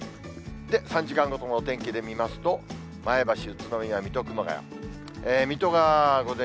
３時間ごとのお天気で見ますと、前橋、宇都宮、水戸、熊谷。